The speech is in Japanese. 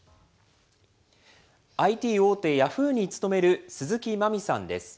ＩＴ大手、ヤフーに勤める鈴木麻未さんです。